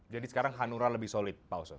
jadi sekarang hanura lebih solid pak ustaz